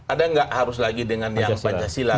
ada nggak harus lagi dengan yang pancasila